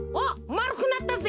まるくなったぜ！